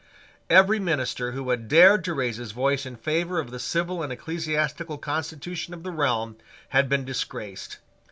Every minister who had dared to raise his voice in favour of the civil and ecclesiastical constitution of the realm had been disgraced.